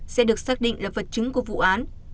sẽ được xác định là vật chứng của vụ án